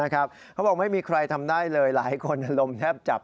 เขาบอกไม่มีใครทำได้เลยหลายคนอารมณ์แทบจับ